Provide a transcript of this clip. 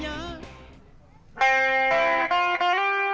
tidak kata imom itu